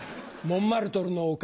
モンマルトルの丘。